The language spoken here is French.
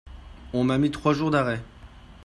on m'a mis trois jours d'arrêt.